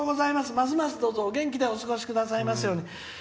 ますますどうぞお元気でお過ごしくださいますように。